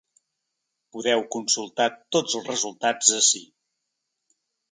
Podeu consultar tots els resultats ací.